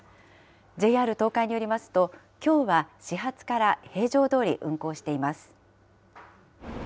ＪＲ東海によりますと、きょうは始発から平常どおり運行しています。